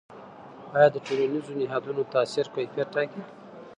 آیا د ټولنیزو نهادونو تاثیر کیفیت ټاکي؟